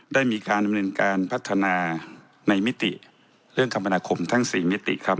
ได้มีการดำเนินการพัฒนาในมิติเรื่องคมนาคมทั้ง๔มิติครับ